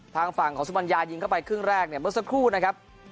ทางฝั่งของสุบัญญายิงเข้าไปครึ่งแรกเนี่ยเมื่อสักครู่นะครับ